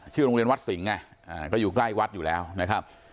โรงเรียนวัดสิงห์ไงก็อยู่ใกล้วัดอยู่แล้วนะครับ